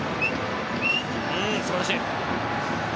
うん、素晴らしい！